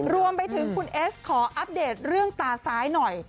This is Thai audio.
รวมไปถึงคุณเอสขออัปเดตเรื่องตาซ้ายหน่อย